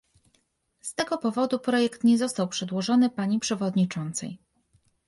Z tego powodu projekt nie został przedłożony pani przewodniczącej